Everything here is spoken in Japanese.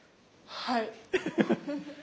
はい。